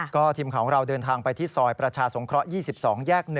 ก็ทีมข่าวของเราเดินทางไปที่ซอยประชาสงเคราะห์๒๒แยก๑